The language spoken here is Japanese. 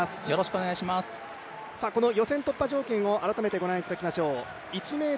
この予選突破条件を改めて御覧いただきましょう。